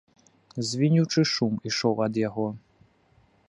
Звінючы шум ішоў ад яго.